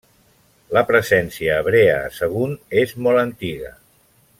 La presència hebrea a Sagunt és molt antiga.